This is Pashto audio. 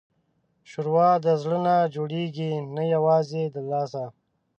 ښوروا د زړه نه جوړېږي، نه یوازې له لاسه.